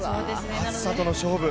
暑さとの勝負。